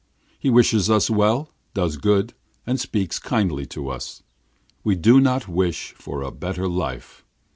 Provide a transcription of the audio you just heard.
He wishes us well, does good, and speaks kindly to us. We do not wish for a better life.'